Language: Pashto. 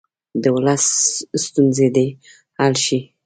د ولس ستونزې دې حل شي.